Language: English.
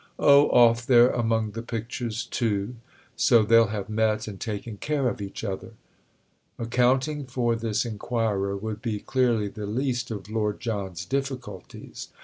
"Oh, off there among the pictures too; so they'll have met and taken care of each other." Accounting for this inquirer would be clearly the least of Lord John's difficulties.